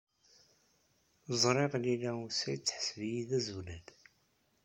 Ẓriɣ Lila u Saɛid teḥseb-iyi d azulal.